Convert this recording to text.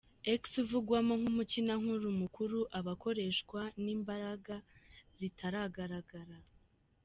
X uvugwamo nk’umukinankuru mukuru aba akoreshwa n’imbaraga zitagaragara.